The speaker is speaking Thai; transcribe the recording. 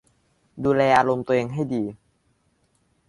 ดูแลอารมณ์ตัวเองให้ดี